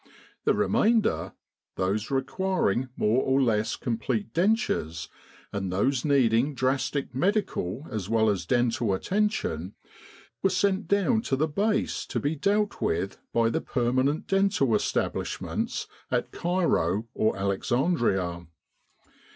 The re mainder, those requiring more or less complete dentures, and those needing drastic medical as well as dental attention, were sent down to the Base to be dealt with by the permanent dental establishments at Cairo or Alexandria.